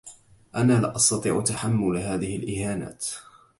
أنا لا أستطيع تحمّل هذه الإهانات.